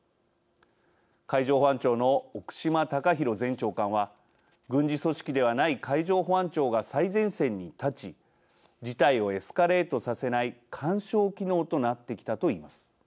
海上保安庁の奥島高弘前長官は軍事組織ではない海上保安庁が最前線に立ち事態をエスカレートさせない緩衝機能となってきたと言います。